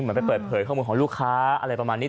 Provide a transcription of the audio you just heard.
ไปเปิดเผยข้อมูลของลูกค้าอะไรประมาณนี้